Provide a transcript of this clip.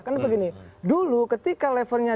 karena begini dulu ketika levelnya